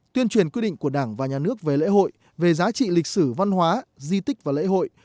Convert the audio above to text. tuyên truyền quy định của đảng và nhà nước về lễ hội về giá trị lịch sử văn hóa di tích và lễ hội